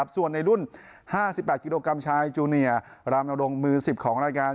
ส่วนในรุ่น๕๘กิโลกรัมชายจูเนียร์รามนรงมือ๑๐ของรายการ